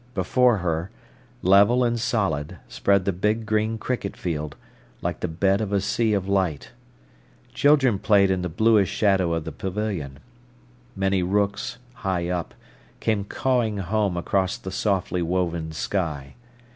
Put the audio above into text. Before her, level and solid, spread the big green cricket field, like the bed of a sea of light. Children played in the bluish shadow of the pavilion. Many rooks, high up, came cawing home across the softly woven sky.